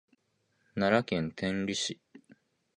奈良県天理市